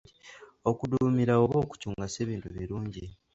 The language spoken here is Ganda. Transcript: Okuduumira oba okucunga si bintu birungi.